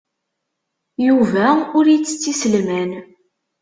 Yuba ur ittett iselman.